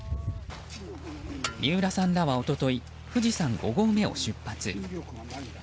三浦さんらは、一昨日富士山５合目を出発。